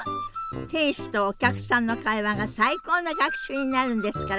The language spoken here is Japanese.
店主とお客さんの会話が最高の学習になるんですから。